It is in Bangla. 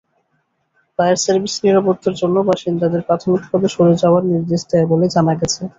ফায়ার সার্ভিস নিরাপত্তার জন্য বাসিন্দাদের প্রাথমিকভাবে সরে যাওয়ার নির্দেশ দেয় বলে জানা গেছে।